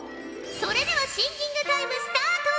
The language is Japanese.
それではシンキングタイムスタート！